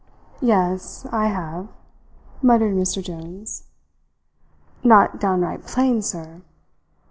"Yes, I have," muttered Mr. Jones. "Not downright plain, sir?"